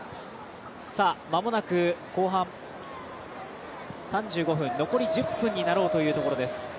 間もなく後半、３５分残り１０分になろうというところ。